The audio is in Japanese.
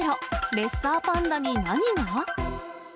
レッサーパンダに何が？